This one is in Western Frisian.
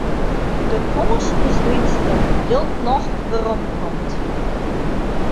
De kâns is lyts dat it jild noch werom komt.